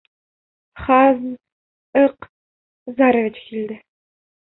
Хаз... ыҡ!... зарович килде!